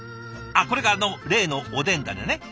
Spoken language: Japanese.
あっこれがあの例のおでんダネね。